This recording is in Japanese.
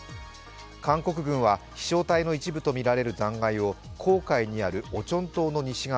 韓国軍は飛翔体の一部とみられる残骸を黄海にあるオチョン島の西側